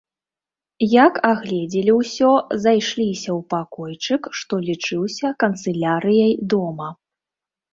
Як агледзелі ўсё, зайшліся ў пакойчык, што лічыўся канцылярыяй дома.